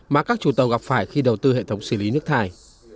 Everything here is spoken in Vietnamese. mà các chủ tàu gặp phải khi đầu tư hệ thống xử lý nước thải